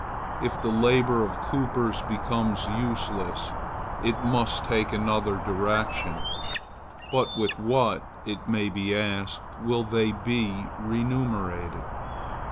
If the labor of coopers becomes useless, it must take another direction. But with what, it may be asked, will they be remunerated?